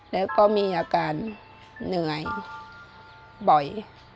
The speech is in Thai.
แล้วก็มีอาการเหนื่อยบ่อย